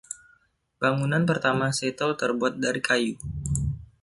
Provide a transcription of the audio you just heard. Bangunan pertama Seattle terbuat dari kayu.